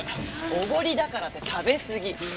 おごりだからって食べ過ぎ。